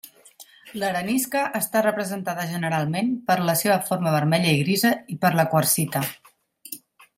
L'arenisca està representada generalment per la seva forma vermella i grisa i per la quarsita.